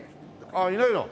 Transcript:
ああいないの。